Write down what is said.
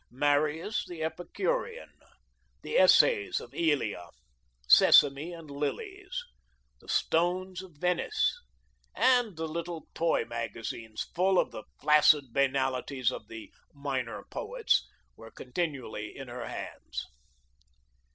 "Marius the Epicurean," "The Essays of Elia," "Sesame and Lilies," "The Stones of Venice," and the little toy magazines, full of the flaccid banalities of the "Minor Poets," were continually in her hands.